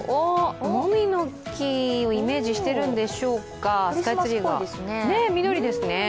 もみの木をイメージしているんでしょうか、スカイツリーが緑ですね。